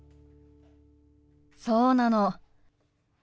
そうなの。